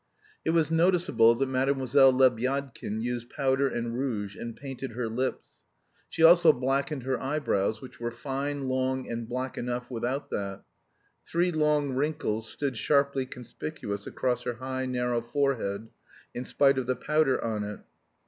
It was noticeable that Mlle. Lebyadkin used powder and rouge, and painted her lips. She also blackened her eyebrows, which were fine, long, and black enough without that. Three long wrinkles stood sharply conspicuous across her high, narrow forehead in spite of the powder on it.